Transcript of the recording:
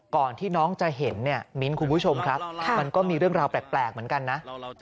ก่อนที่น้องจะเห็นเนี่ยมิ้นคุณผู้ชมครับมันก็มีเรื่องราวแปลกเหมือนกันนะ